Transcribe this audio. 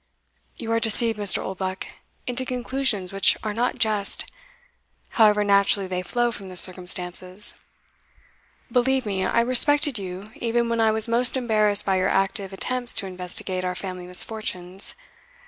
"You are deceived, Mr. Oldbuck, into conclusions which are not just, however naturally they flow from the circumstances. Believe me, I respected you even when I was most embarrassed by your active attempts to investigate our family misfortunes.